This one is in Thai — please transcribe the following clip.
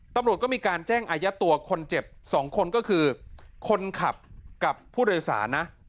ตำรวจก็มีการแจ้งอายัดตัวคนเจ็บ๒คนก็คือคนขับกับผู้โดยสารนะ